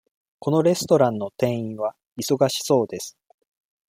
このレストランの店員は忙しそうです。